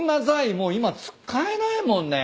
もう今使えないもんね。